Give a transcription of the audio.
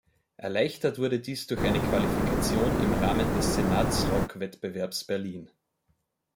Erleichtert wurde dies durch eine Qualifikation im Rahmen des Senatsrock-Wettbewerbs Berlin.